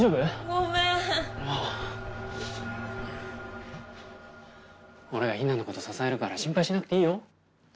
ごめん俺が姫奈のこと支えるから心配しなくていいよ